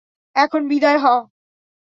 এখন বিদায় হ।